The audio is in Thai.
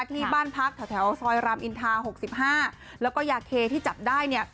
ที่บ้านพักแถวซอยรามอินทา๖๕แล้วก็ยาเคที่จับได้เนี่ย